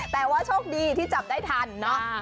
แต่ว่าโชคดีที่จับได้ทันเนาะ